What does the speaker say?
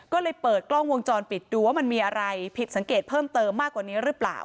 ก็เลยเปิดกล้องวงจรปิดดูว่ามันมีอะไรผิดสังเกตเพิ่มเติมมากกว่านี้หรือเปล่า